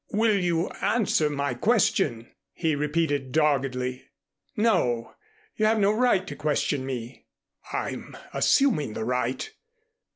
"Will you answer my question?" he repeated doggedly. "No. You have no right to question me." "I'm assuming the right.